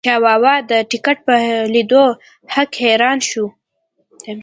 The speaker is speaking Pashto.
چاواوا د ټکټ په لیدو هک حیران شو.